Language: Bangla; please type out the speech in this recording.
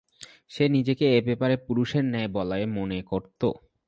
সে নিজেকে এ ব্যাপারে পুরুষের ন্যায় বলে মনে করত।